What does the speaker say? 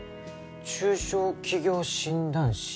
中小企業診断士？